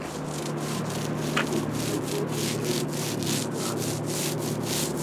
So befürwortet er die Ehe für alle.